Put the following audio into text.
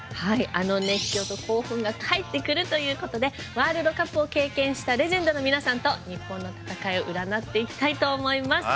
あの熱狂と興奮が帰ってくるということでワールドカップを経験したレジェンドの皆さんと日本の戦いを占っていきたいと思います。